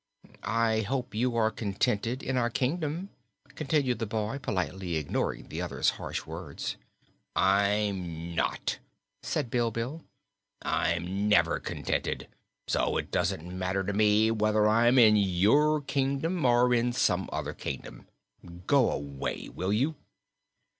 "I hope you are contented in our kingdom," continued the boy, politely ignoring the other's harsh words. "I'm not," said Bilbil. "I'm never contented; so it doesn't matter to me whether I'm in your kingdom or in some other kingdom. Go away will you?"